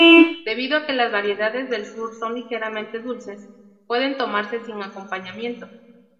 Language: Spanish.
Debido a que las variedades del sur son ligeramente dulces, pueden tomarse sin acompañamiento.